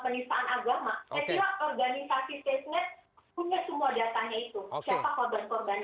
apa yang boleh dan tidak boleh